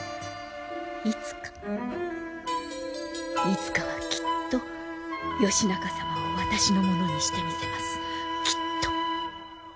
いつかいつかはきっと義仲様を私のものにしてみせますきっと。